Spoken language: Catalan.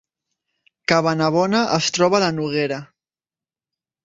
Cabanabona es troba a la Noguera